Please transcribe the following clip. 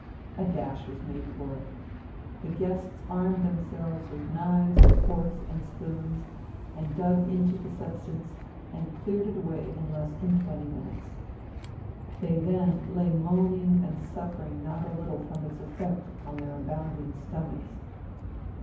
A dash was made for it. The guests armed themselves with knives, forks, and spoons and dug into the substance and cleared it away in less than twenty minutes. They then lay moaning and suffering not a little from its effect on their abounding stomachs.